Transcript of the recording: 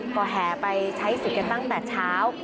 ก็แห่ไปใช้สิทธิ์กันตั้งแต่เช้า